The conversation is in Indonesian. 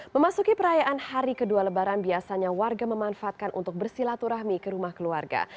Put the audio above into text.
memasuki perayaan hari kedua lebaran biasanya warga memanfaatkan untuk bersilaturahmi ke rumah keluarga